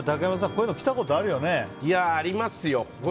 こういうの来たことあるよね。ありますよ。